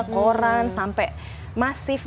koran sampai masif